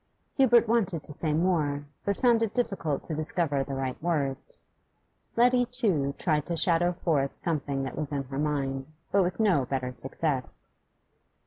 Hubert wanted to say more, but found it difficult to discover the right words. Letty, too, tried to shadow forth something that was in her mind, but with no better success.